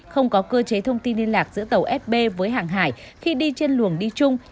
không có cơ chế thông tin liên lạc giữa tàu sb với hàng hải khi đi trên luồng đi chung